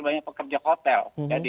banyak pekerja hotel